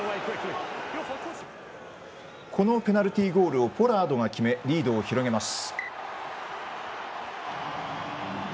このペナルティーゴールをポラードが決めリードを広げます。